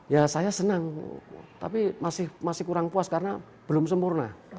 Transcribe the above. ya saya senang tapi masih kurang puas karena belum sempurna